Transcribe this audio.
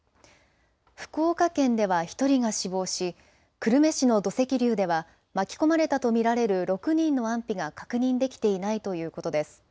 福岡県では１人が死亡し久留米市の土石流では巻き込まれたと見られる６人の安否が確認できていないということです。